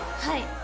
はい。